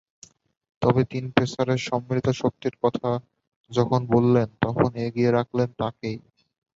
তবে তিন পেসারের সম্মিলিত শক্তির কথা যখন বললেন, তখন এগিয়ে রাখলেন তাঁকেই।